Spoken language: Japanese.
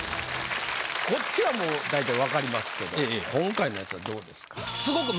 こっちはもう大体分かりますけど今回のやつはどうですか？